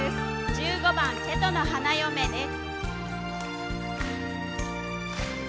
１５番「瀬戸の花嫁」です。